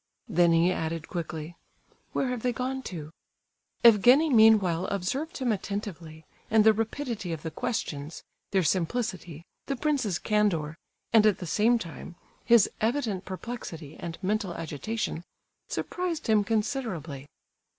Then he added quickly: "Where have they gone to?" Evgenie meanwhile observed him attentively, and the rapidity of the questions, their simplicity, the prince's candour, and at the same time, his evident perplexity and mental agitation, surprised him considerably.